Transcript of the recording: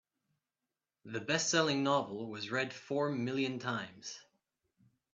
The bestselling novel was read four million times.